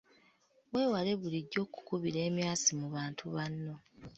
Weewale bulijjo okukubira emyasi mu bantu banno.